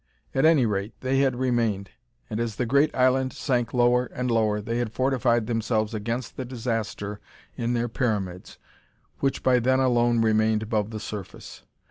At any rate, they had remained, and as the great island sank lower and lower, they had fortified themselves against the disaster in their pyramids, which by then alone remained above the surface.